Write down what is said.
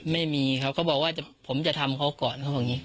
ไม่มีครับเขาบอกว่าผมจะทำเขาก่อน